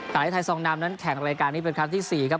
แต่ที่ไทยซองนำนั้นแข่งรายการนี้เป็นครั้งที่๔ครับ